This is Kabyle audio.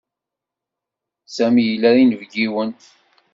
Sami ila inebgiwen.